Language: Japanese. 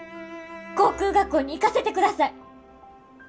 航空学校に行かせてください。